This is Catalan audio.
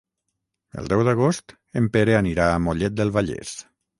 El deu d'agost en Pere anirà a Mollet del Vallès.